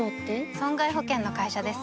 損害保険の会社です